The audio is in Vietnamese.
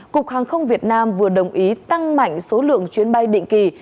cục hàng không việt nam vừa đồng ý tăng mạnh số lượng chuyến bay định kỳ